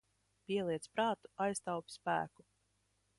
Pieliec prātu, aiztaupi spēku.